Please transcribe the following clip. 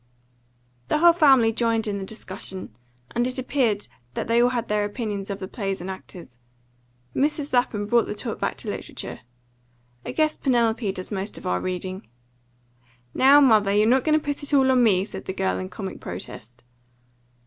The whole family joined in the discussion, and it appeared that they all had their opinions of the plays and actors. Mrs. Lapham brought the talk back to literature. "I guess Penelope does most of our reading." "Now, mother, you're not going to put it all on me!" said the girl, in comic protest.